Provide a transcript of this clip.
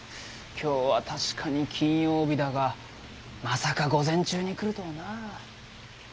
今日は確かに金曜日だがまさか午前中に来るとはなあ。